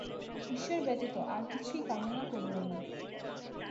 ঈশ্বর ব্যতীত আর কিছুই কামনা করিও না।